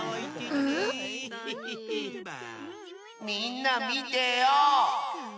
みんなみてよ。